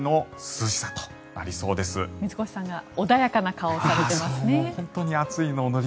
水越さんが穏やかな顔をされていますね。